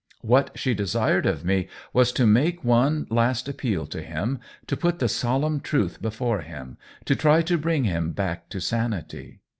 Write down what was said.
What she desired of me was to make one last appeal to him, to put the solemn truth before him, to try to bring him back to sanity.